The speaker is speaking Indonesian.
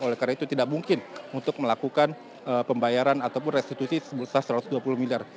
oleh karena itu tidak mungkin untuk melakukan pembayaran ataupun restitusi sebesar satu ratus dua puluh miliar